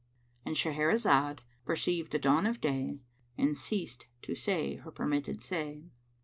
"—And Shahrazad perceived the dawn of day and ceased to say her permitted say.